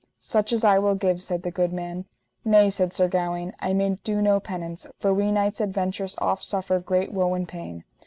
Such as I will give, said the good man. Nay, said Sir Gawaine, I may do no penance; for we knights adventurous oft suffer great woe and pain.